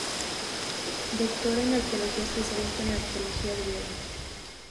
Doctora en Arqueología, especialista en arqueología griega.